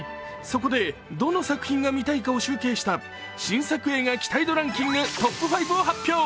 そこで、どの作品が見たいかを集計した新作映画期待度ランキングトップ５を発表。